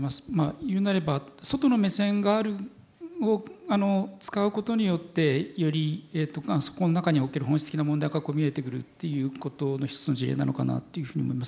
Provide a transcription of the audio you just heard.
言うなれば外の目線があるのを使うことによってよりそこの中における本質的な問題が見えてくるっていうことの一つの事例なのかなっていうふうに思います。